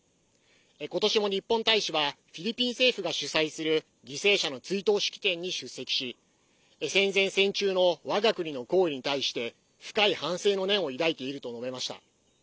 今年も日本大使はフィリピン政府が主催する犠牲者の追悼式典に出席し戦前戦中の我が国の行為に対して深い反省の念を抱いていると述べました。